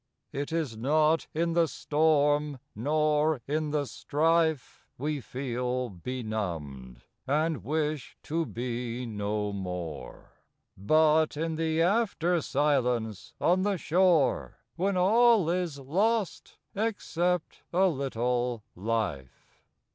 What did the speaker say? It is not in the storm nor in the strife We feel benumbed, and wish to be no more, But in the after silence on the shore, When all is lost, except a little life.